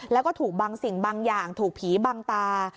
แล้วก็ถูกบางสิ่งบางอย่างถูกผีบังตา